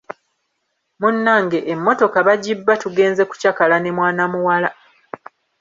Munnange, emmotoka bagibba tugenze kucakala ne mwana muwala!